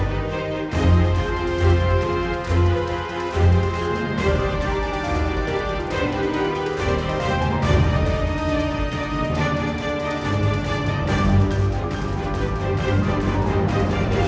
permainan yang tidak kunjungu saya